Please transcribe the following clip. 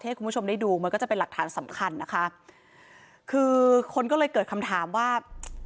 ให้คุณผู้ชมได้ดูมันก็จะเป็นหลักฐานสำคัญนะคะคือคนก็เลยเกิดคำถามว่า